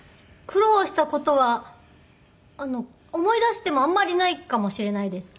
苦労した事は思い出してもあんまりないかもしれないです。